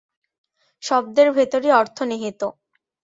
শব্দের ভেতরই অর্থ নিহিত।